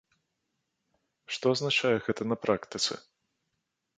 Што азначае гэта на практыцы?